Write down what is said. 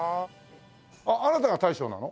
あなたが大将なの？